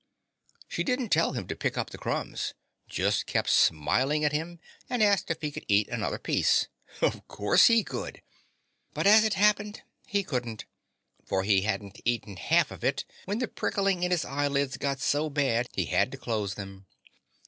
She didn't tell him to pick up the crumbs, just kept smiling at him and asked if he could eat another piece. Of course he could! But, as it happened, he couldn't, for he hadn't eaten half of it when the prickling in his eyelids got so bad he had to close them.